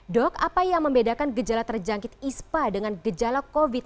dok apa yang membedakan gejala terjangkit ispa dengan gejala covid sembilan belas